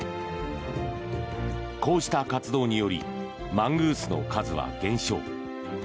こうした活動によりマングースの数は減少。